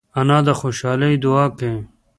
انا د خوشحالۍ دعا کوي